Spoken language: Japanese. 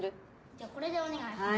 じゃあこれでお願いします。